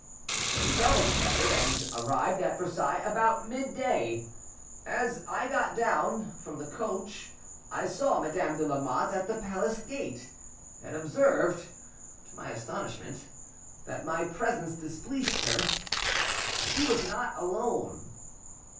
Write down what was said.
So we travelled together, and arrived at Versailles about midday. As I got down from the coach I saw Madame de Lamotte at the palace gate, and observed, to my astonishment, that my presence displeased her. She was not alone."